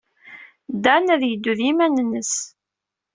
Dan ad yeddu i yiman-nnes.